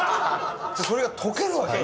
それが溶けるわけ。